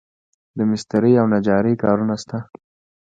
د مسترۍ او نجارۍ کارونه شته